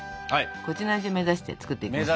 こっちの味を目指して作っていきましょう。